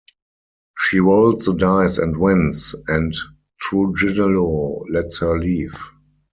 She rolls the dice and wins, and Trujillo lets her leave.